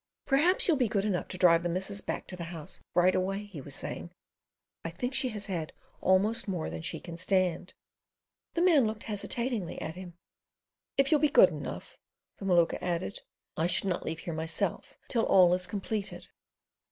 "Perhaps you'll be good enough to drive the missus back to the house right away," he was saying, "I think she has had almost more than she can stand." The man looked hesitatingly at him. "If you'll be good enough," the Maluka added, "I should not leave here myself till all is completed."